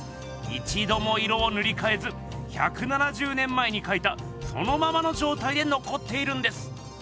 いちども色をぬりかえず１７０年前にかいたそのままの状態でのこっているんです。